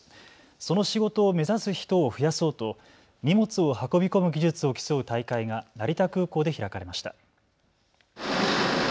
その仕事を目指す人を増やそうと荷物を運び込む技術を競う大会が成田空港で開かれました。